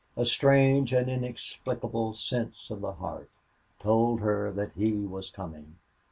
A strange and inexplicable sense of the heart told her that he was coming.